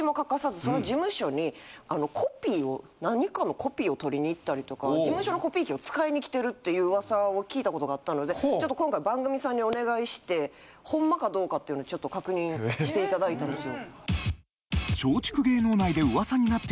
事務所に何かの。とか事務所のコピー機を使いに来てるっていう噂を聞いたことがあったのでちょっと今回番組さんにお願いしてホンマかどうかっていうのを確認していただいたんですよ。